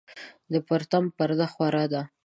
د پرتم پرده خوره ده